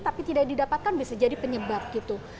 tapi tidak didapatkan bisa jadi penyebab gitu